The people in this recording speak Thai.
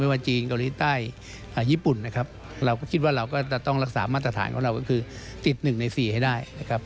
ว่าจีนเกาหลีใต้ญี่ปุ่นนะครับเราก็คิดว่าเราก็จะต้องรักษามาตรฐานของเราก็คือติด๑ใน๔ให้ได้นะครับ